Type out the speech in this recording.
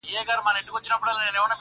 o چي تېغ چلېږي، وينه بهېږي!